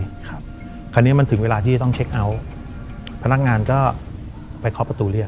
คราวนี้มันถึงเวลาที่ต้องเช็คเอาท์พนักงานก็ไปเคาะประตูเรียก